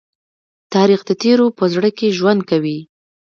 تاریخ د تېرو په زړه کې ژوند کوي.